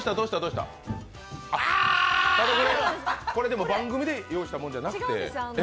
これでも、番組で用意したものじゃなくて。